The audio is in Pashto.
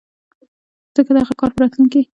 ځکه دغه کار په راتلونکې کې ډېر تولید ته لار هواروله